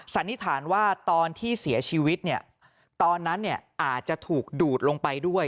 สันนิษฐานว่าตอนที่เสียชีวิตเนี่ยตอนนั้นเนี่ยอาจจะถูกดูดลงไปด้วย